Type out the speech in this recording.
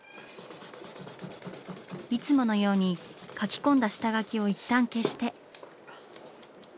いつものように描き込んだ下描きをいったん消して。